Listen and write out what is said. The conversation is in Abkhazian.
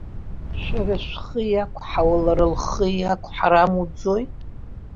Шәара шәхы иақәҳауа лара лхы иақәҳар амуӡои?